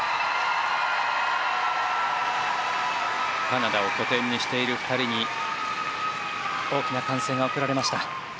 カナダを拠点にしている２人に大きな歓声が送られました。